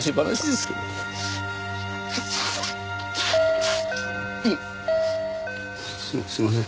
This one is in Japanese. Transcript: すすいません。